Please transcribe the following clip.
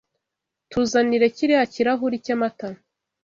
Tuzanirekiriya kirahuri cyamata.